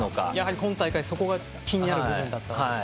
今大会、それが気になる部分だったわけですね。